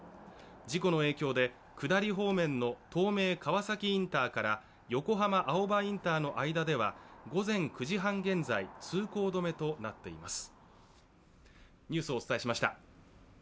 事故の影響で下り方面の東名川崎インターから横浜青葉インターの間では午前９時半現在、通行止めとなっています。